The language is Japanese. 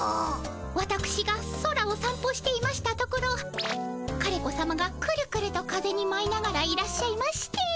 わたくしが空をさん歩していましたところ枯れ子さまがくるくると風にまいながらいらっしゃいまして。